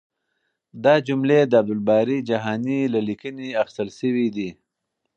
دا جملې د عبدالباري جهاني له لیکنې اخیستل شوې دي.